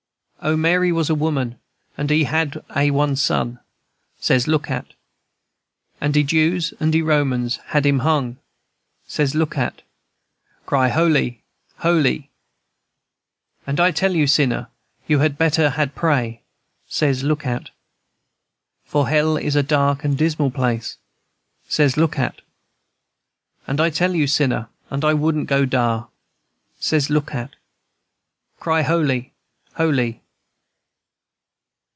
"O, Mary was a woman, and he had a one Son, Says, look at, &c. And de Jews and de Romans had him hung, Says, look at, &c. Cry holy, holy! "And I tell you, sinner, you had better had pray, Says, look at, &c. For hell is a dark and dismal place, Says, look at, &c. And I tell you, sinner, and I wouldn't go dar! Says, look at, &c. Cry holy, holy!"